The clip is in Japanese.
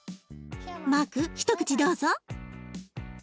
マーク一口どうぞ。